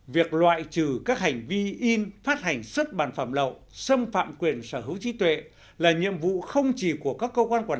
việc loại trừ các hành vi in phát hành xuất bản phẩm lậu xâm phạm quyền sở hữu trí tuệ là nhiệm vụ không chỉ của các cơ quan quản lý